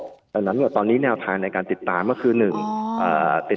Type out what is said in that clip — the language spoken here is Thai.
เพราะฉะนั้นเนี่ยตอนนี้แนวทางในการติดตามก็คือ